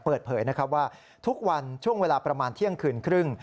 เปิดเผยนะครับว่าทุกวันช่วงเวลาประมาณเที่ยงคืนครึ่ง